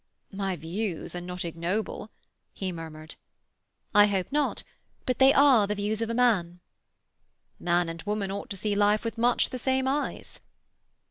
"My views are not ignoble," he murmured. "I hope not. But they are the views of a man." "Man and woman ought to see life with much the same eyes."